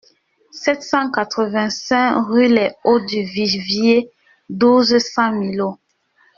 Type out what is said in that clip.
sept cent quatre-vingt-cinq rue les Hauts du Vivier, douze, cent, Millau